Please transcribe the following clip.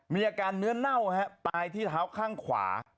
มีอาการเนื้อเน่าตายที่เท้าข้างขวา